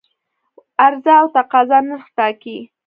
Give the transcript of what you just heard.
عرضه او تقاضا نرخ ټاکي.